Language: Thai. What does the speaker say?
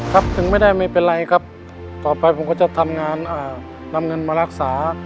ถึงไม่ได้ไม่เป็นไรครับต่อไปผมก็จะทำงานนำเงินมารักษา